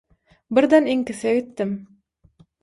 Birden iňkise gitdim.